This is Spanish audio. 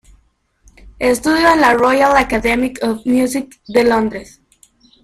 Estudió en la Royal Academy of Music de Londres.